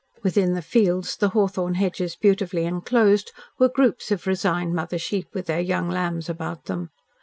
Within the fields the hawthorn hedges beautifully enclosed were groups of resigned mother sheep with their young lambs about them.